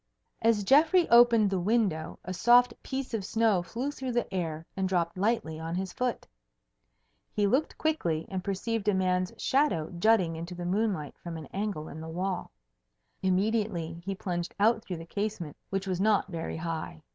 As Geoffrey opened the window, a soft piece of snow flew through the air and dropped lightly on his foot. He looked quickly and perceived a man's shadow jutting into the moonlight from an angle in the wall. Immediately he plunged out through the casement, which was not very high.